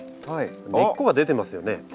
根っこが出てますよね。